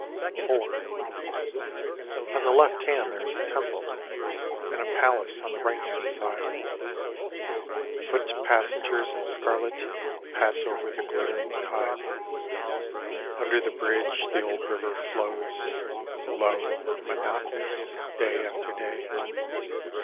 IV On the left hand there is a temple: And a palace on the right hand side. Foot passengers in scarlet Pass over the glittering tide. Under the bridge The old river flows Low and monotonous Day after day.